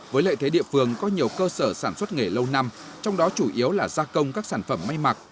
với lợi thế địa phương có nhiều cơ sở sản xuất nghề lâu năm trong đó chủ yếu là gia công các sản phẩm may mặc